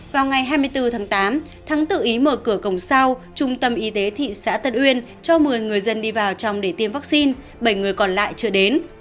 vào ngày hai mươi bốn tháng tám thắng tự ý mở cửa cổng sau trung tâm y tế thị xã tân uyên cho một mươi người dân đi vào trong để tiêm vaccine bảy người còn lại chưa đến